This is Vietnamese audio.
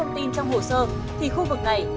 nhưng không xử lý vi phạm